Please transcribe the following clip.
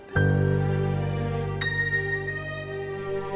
pada saat ini